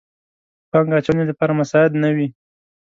پانګه اچونې لپاره مساعد نه وي.